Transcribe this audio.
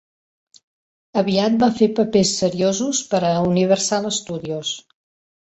Aviat va fer papers seriosos per a Universal Studios.